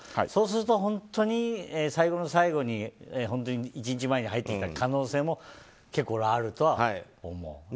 そうすると本当に最後の最後に１日前に入ってきた可能性も結構あるとは思う。